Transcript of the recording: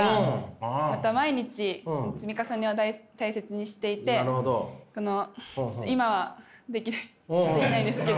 また毎日積み重ねを大切にしていてこのちょっと今はできないですけど。